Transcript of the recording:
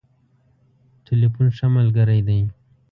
ټليفون ښه ملګری دی.